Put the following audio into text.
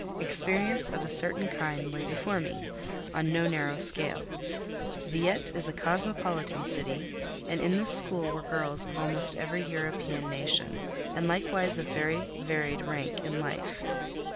Experience of a certain kind lay before me, on no narrow scale. Villette is a cosmopolitan city, and in this school were girls of almost every European nation, and likewise of very varied rank in life.